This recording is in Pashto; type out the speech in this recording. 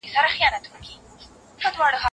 قضاوت